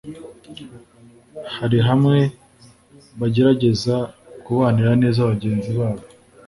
hari bamwe bagerageza kubanira neza bagenzi babo